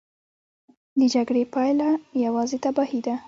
د جګړې پایله یوازې تباهي ده.